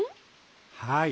「はい。